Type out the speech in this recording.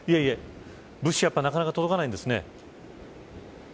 物資はやっぱりなかなか届かないんですね。